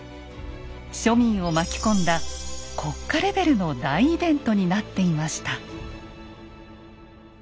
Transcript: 庶民を巻き込んだ国家レベルの大イベントになっていました。